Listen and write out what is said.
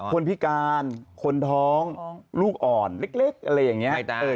คนพิการคนท้องลูกอ่อนเล็กอะไรอย่างนี้